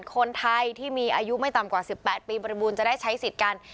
คนไทยที่มีอายุไม่ต่ำกว่า๑๘ปีบริบูรณ์จะได้ใช้สิทธิ์กัน